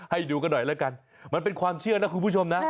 ให้ดูกันหน่อยแล้วกันมันเป็นความเชื่อนะคุณผู้ชมนะ